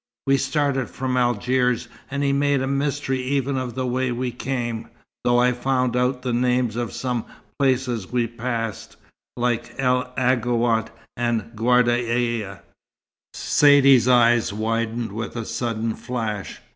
We started from Algiers, and he made a mystery even of the way we came, though I found out the names of some places we passed, like El Aghouat and Ghardaia " Saidee's eyes widened with a sudden flash.